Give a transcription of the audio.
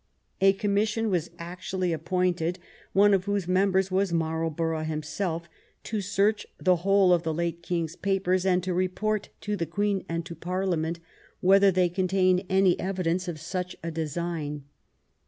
A commission was actually appointed, one of whose members was Marlborough himself, to search the whole of the late King^s papers and to re port to the Queen and to Parliament whether they con tained any evidence of such a design.